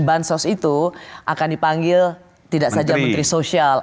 bansos itu akan dipanggil tidak saja menteri sosial